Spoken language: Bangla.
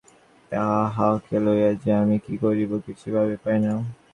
তাহাকে লইয়া যে আমি কী করিব কিছু ভাবিয়া পাই না।